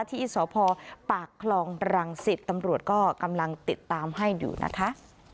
ที่สพปากคลองรังสิตตำรวจก็กำลังติดตามให้อยู่นะคะ